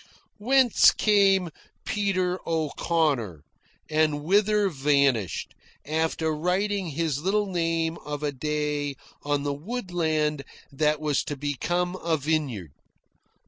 Whence came Peter O'Connor, and whither vanished, after writing his little name of a day on the woodland that was to become a vineyard?